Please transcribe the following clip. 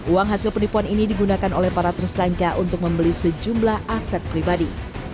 uang hasil penipuan ini digunakan oleh para tersangka untuk membeli sejumlah aset pribadi